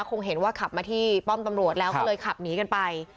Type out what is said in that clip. คงเห็นว่าขับมาที่ป้อมตำรวจแล้วก็เลยขับหนีกันไป